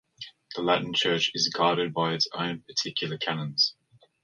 The Latin Church is guided by its own particular Canons.